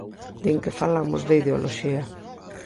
Din que falamos de ideoloxía.